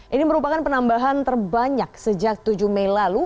ini merupakan penambahan terbanyak sejak tujuh mei lalu